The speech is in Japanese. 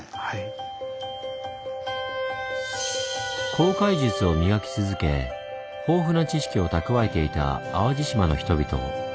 航海術を磨き続け豊富な知識を蓄えていた淡路島の人々。